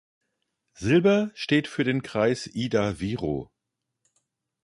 Silber steht für den Kreis Ida-Viru.